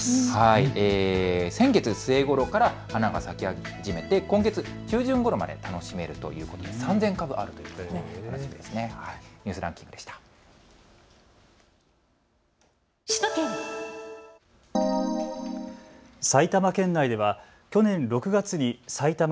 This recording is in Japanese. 先月末ごろから花が咲き始めて今月中旬ごろまで楽しめるということで３０００株あるということです。